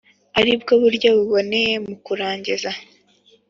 Ari bwo buryo buboneye mu kurangiza